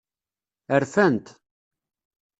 Rfant.